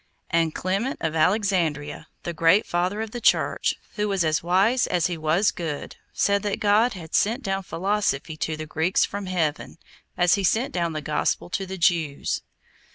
And Clement of Alexandria, a great Father of the Church, who was as wise as he was good, said that God had sent down Philosophy to the Greeks from heaven, as He sent down the Gospel to the Jews.